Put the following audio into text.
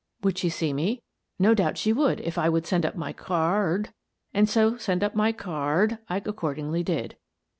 Would she see me ? No doubt she would, if I would send up my car rd, and so send up my car rd I accordingly did.